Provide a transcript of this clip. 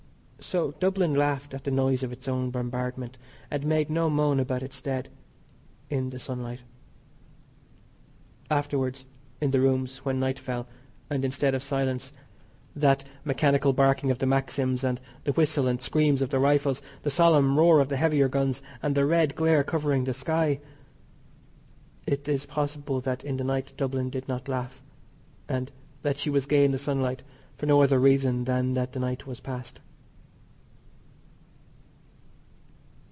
So Dublin laughed at the noise of its own bombardment, and made no moan about its dead in the sunlight. Afterwards in the rooms, when the night fell, and instead of silence that mechanical barking of the maxims and the whistle and screams of the rifles, the solemn roar of the heavier guns, and the red glare covering the sky. It is possible that in the night Dublin did not laugh, and that she was gay in the sunlight for no other reason than that the night was past.